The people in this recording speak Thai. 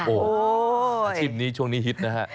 อาชีพนี้ช่วงนี้ฮิตนะฮะ